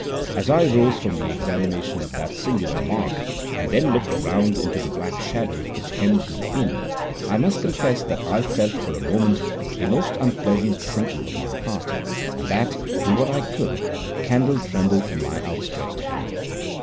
As I rose from the examination of that singular mark and then looked round into the black shadows which hemmed me in, I must confess that I felt for a moment a most unpleasant sinking of my heart, and that, do what I could, the candle trembled in my outstretched hand.